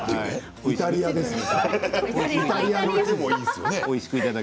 イタリアですね。